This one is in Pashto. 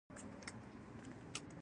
نوي خبرې به نه وي.